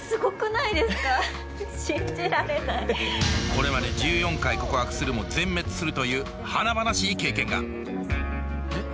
これまで１４回告白するも全滅するという華々しい経験が。